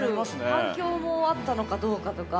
反響もあったのかどうかとか。